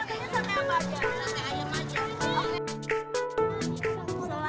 tapi juga ada makanan berat juga